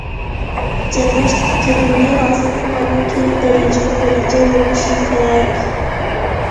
جەملەش جەدۋىلى ھاسىل قىلغاندىن كېيىن دەرىجىمۇ دەرىجە يوللىشى كېرەك.